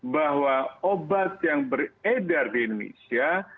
bahwa obat yang beredar di indonesia